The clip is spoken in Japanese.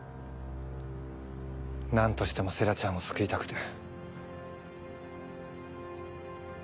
何としても星来ちゃんを救いたくて。